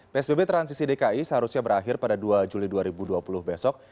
psbb transisi dki seharusnya berakhir pada dua juli dua ribu dua puluh besok